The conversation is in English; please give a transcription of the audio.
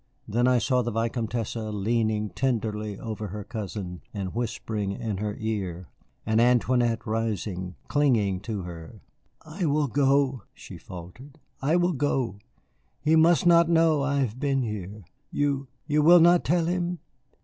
Then I saw the Vicomtesse leaning tenderly over her cousin and whispering in her ear, and Antoinette rising, clinging to her. "I will go," she faltered, "I will go. He must not know I have been here. You you will not tell him?"